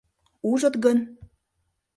«Ужыт гын...